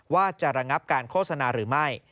ว่าจะระงับการโฆษณาหรือไม่